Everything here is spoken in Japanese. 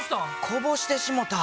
こぼしてしもた。